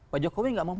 pak jokowi nggak memaksa